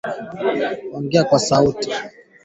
kanda unga na tia mafuta